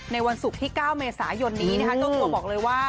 ในวันศุกร์ที่๙เมษายนต้องตัวบอกเลยว่า